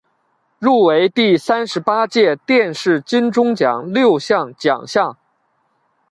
入围第三十八届电视金钟奖六项奖项。